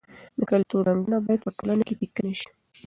د کلتور رنګونه باید په ټولنه کې پیکه نه سي.